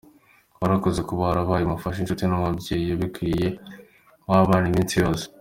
Warakoze kuba warabaye umufasha, inshuti, n’umubyeyi ubikwiye w’abana iminsi yose.